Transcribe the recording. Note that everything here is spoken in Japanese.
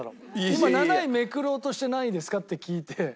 今７位めくろうとして何位ですか？って聞いて。